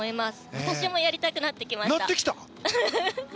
私もやりたくなってきました。